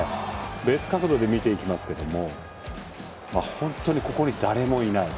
別角度で見ていきますけども本当にここに誰もいない。